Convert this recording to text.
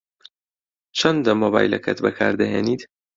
چەندە مۆبایلەکەت بەکار دەهێنیت؟